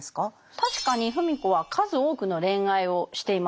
確かに芙美子は数多くの恋愛をしています。